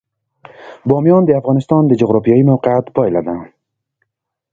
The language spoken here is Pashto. بامیان د افغانستان د جغرافیایي موقیعت پایله ده.